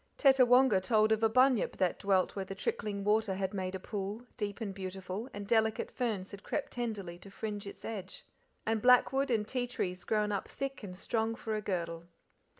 Tettawonga told of a Bunyip that dwelt where the trickling water had made a pool, deep and beautiful, and delicate ferns had crept tenderly to fringe its edge, and blackwood, and ti trees grown up thick and strong for a girdle.